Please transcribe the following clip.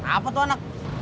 apa tuh anak